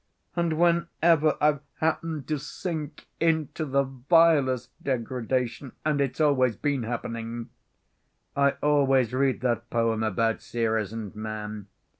And whenever I've happened to sink into the vilest degradation (and it's always been happening) I always read that poem about Ceres and man.